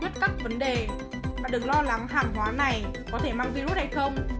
giải quyết các vấn đề bạn đừng lo lắng hẳn hóa này có thể mang virus hay không